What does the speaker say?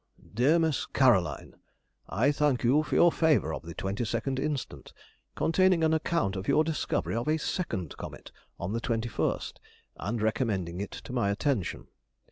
DEAR MISS CAROLINE,— I thank you for your favour of the 22nd instant, containing an account of your discovery of a second comet on the 21st, and recommending it to my attention.